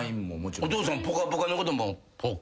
お父さん『ぽかぽか』のことも。